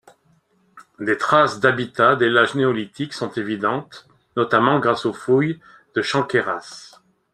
Des traces d'habitat dès l'âge néolithique sont évidentes, notamment grâce aux fouilles de Chanqueyras.